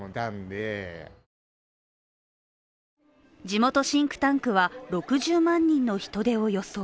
地元シンクタンクは６０万人の人出を予想。